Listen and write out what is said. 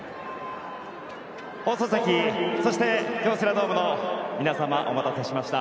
放送席、そして京セラドームの皆様お待たせしました。